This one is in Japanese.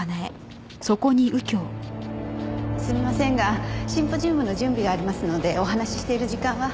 すみませんがシンポジウムの準備がありますのでお話ししている時間は。